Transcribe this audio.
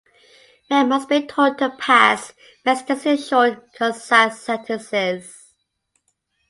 Men must be taught to pass messages in short, concise sentences.